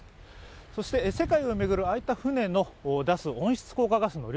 そして世界を巡る、ああいった船の出す温室効果ガスの量